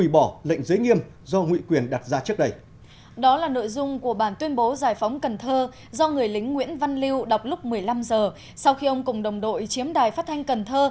do người lính nguyễn văn lưu đọc lúc một mươi năm h sau khi ông cùng đồng đội chiếm đài phát thanh cần thơ